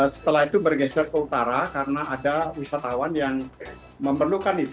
setelah itu bergeser ke utara karena ada wisatawan yang memerlukan itu